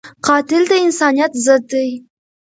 قاتل د انسانیت ضد دی